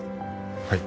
はい。